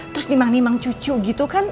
terus nimang nimang cucu gitu kan